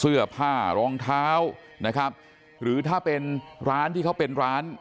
เสื้อผ้ารองเท้านะครับหรือถ้าเป็นร้านที่เขาเป็นร้าน